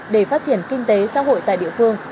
để phát triển kinh tế xã hội tại địa phương